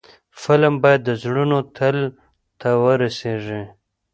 فلم باید د زړونو تل ته ورسیږي